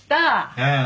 ええ。